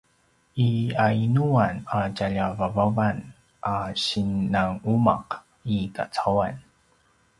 i yainuan a tjalja vavavan a sinanumaq i kacauan?